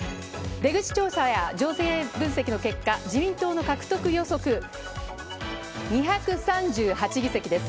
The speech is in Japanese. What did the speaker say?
出口調査や情勢分析の結果、自民党の獲得予測、２３８議席です。